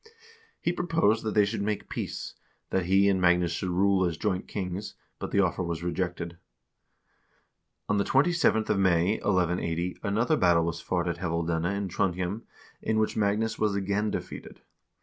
He proposed that they should make peace; that he and Magnus should rule as joint kings, but the offer was rejected. On the 27th of May, 1180, another battle was fought at Ilevoldene in Trondhjem, in which Magnus was again defeated.